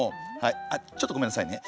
あちょっとごめんなさいね。